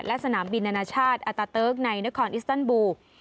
และสนามบินนานชาติอะตะเติ๊กในนครอิสเตอร์นบูค